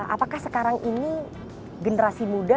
apakah sekarang ini generasi muda